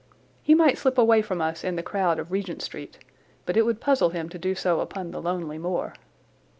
He might slip away from us in the crowd of Regent Street, but it would puzzle him to do so upon the lonely moor.